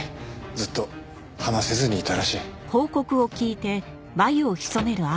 ずっと話せずにいたらしい。